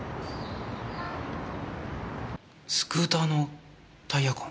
スクーターのタイヤ痕。